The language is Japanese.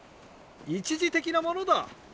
一時的なものだ。